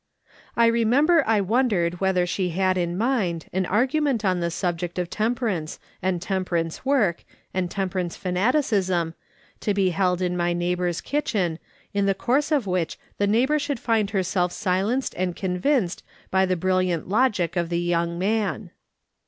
I remember I wondered whether she liad in mind an argument on the sul)ject of temperance, and temperance work, and temperance fanaticism, to be held in my neighbour's kitchen, in the course of which the neighbour should find herself silenced and convinced by the brilliant logic of the young man.